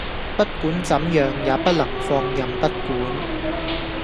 不管怎樣也不能放任不管